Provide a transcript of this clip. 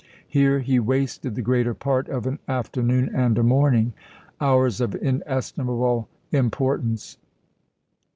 Here he wasted the greater part of an afternoon and a morning — hours of inestimable importance.